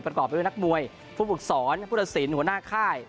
ประกอบเป็นนักมวยผู้ปรึกษรผู้ทศิลป์หัวหน้าค่าย